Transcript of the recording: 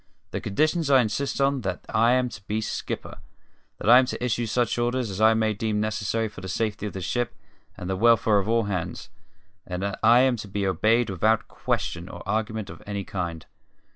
The conditions I insist on are that I am to be skipper; that I am to issue such orders as I may deem necessary for the safety of the ship and the welfare of all hands; and that I am to be obeyed without question or argument of any kind.